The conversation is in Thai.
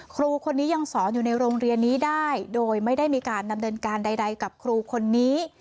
ครูคนนี้ยังสอนอยู่ในโรงเรียนนี้ได้โดยไม่ได้มีการดำเนินการใดกับครูคนนี้